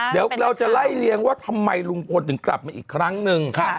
เดี๋ยวเราจะไล่เลี้ยงว่าทำไมลุงพลถึงกลับมาอีกครั้งหนึ่ง